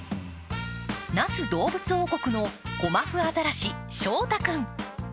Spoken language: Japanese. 那須どうぶつ王国のゴマフアザラシ、笑大くん。